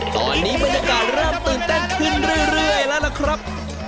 ตอนนี้บรรยากาศเริ่มตื่นเต้นขึ้นเรื่อยแล้วล่ะครับ